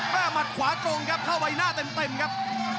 หมัดขวาตรงครับเข้าใบหน้าเต็มครับ